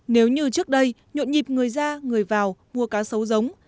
nếu như trước đây nhộn nhịp người ra người vào mua cá sấu giống